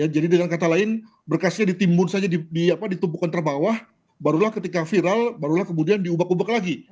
jadi dengan kata lain berkasnya ditimbun saja di tumpukan terbawah barulah ketika viral barulah kemudian diubah ubah lagi